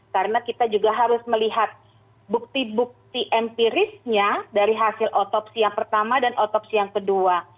karena kita juga harus melihat bukti bukti empirisnya dari hasil otopsi yang pertama dan otopsi yang kedua